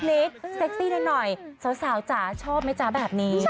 เซ็กซี่ได้หน่อยสาวจ๊ะชอบไหมจ๊ะแบบนี้